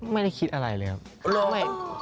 ไม่ได้คิดอะไรเลยครับ